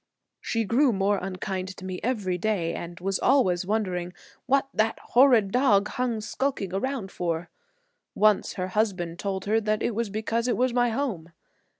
She grew more unkind to me every day, and was always wondering what that 'horrid dog hung skulking around for.' Once her husband told her that it was because it was my home.